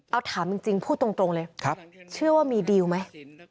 เอาถามจริงพูดตรงเลยเชื่อว่ามีดีลไหม